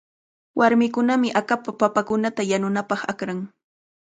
Warmikunami akapa papakunata yanunapaq akran.